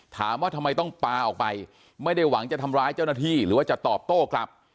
ถามว่าทำไมต้องปลาออกไปไม่ได้หวังจะทำร้ายเจ้าหน้าที่หรือว่าจะตอบโต้กลับ